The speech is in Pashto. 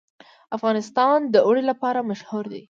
افغانستان د اوړي لپاره مشهور دی.